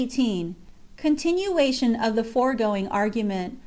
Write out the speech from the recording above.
— Continuation of the foregoing argument.